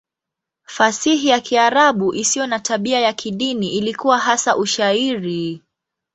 Fasihi ya Kiarabu isiyo na tabia ya kidini ilikuwa hasa Ushairi.